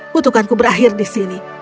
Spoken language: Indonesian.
kutukanku berakhir di sini